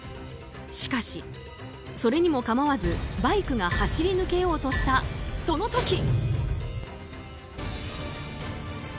しかし、それにも構わずバイクが走り抜けようとしたその時。